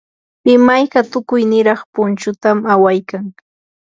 imayka tukuy niraq punchutam awaykan.